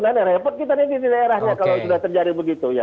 nah repot kita nanti di daerahnya kalau sudah terjadi begitu ya